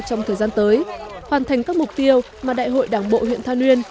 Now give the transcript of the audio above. trong thời gian tới hoàn thành các mục tiêu mà đại hội đảng bộ huyện tha nguyên